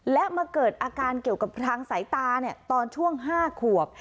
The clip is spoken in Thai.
และมาเกิดอาการเกี่ยวกับทางสายตาตอนช่วง๕ขวบ